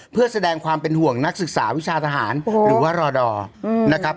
เพื่อแสดงความเป็นห่วงนักศึกษาวิชาทหารหรือว่ารอดอร์นะครับ